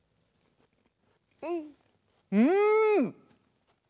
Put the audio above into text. うん。